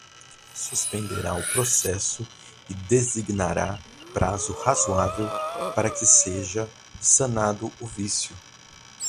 suspenderá o processo e designará prazo razoável para que seja sanado o vício.